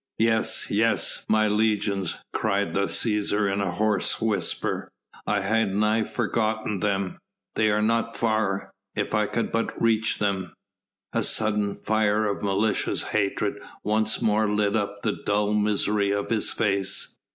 "Yes, yes! my legions," cried the Cæsar in a hoarse whisper. "I had nigh forgotten them. They are not far ... if I could but reach them...." A sudden fire of malicious hatred once more lit up the dull misery of his face.